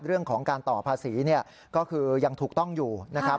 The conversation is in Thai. เรื่องของการต่อภาษีก็คือยังถูกต้องอยู่นะครับ